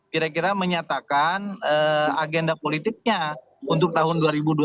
kira kira menyatakan agenda politiknya untuk tahun dua ribu dua puluh